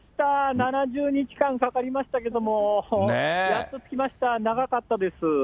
７０日間かかりましたけども、やっと着きました、長かったです。